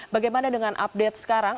bagaimana dengan update sekarang